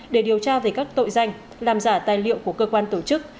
để điều tra về các tội danh làm giả tài liệu của cơ quan tổ chức